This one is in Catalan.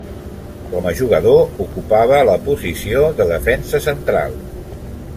Com a jugador ocupava la posició de defensa central.